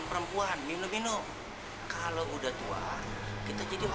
semua ini karena allah